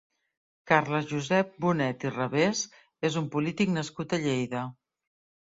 Carles Josep Bonet i Revés és un polític nascut a Lleida.